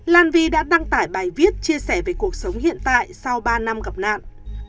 lan vy đã đăng tải bài viết chia sẻ về cuộc sống hiện tại sau ba năm gặp nạn